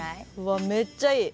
うわめっちゃいい。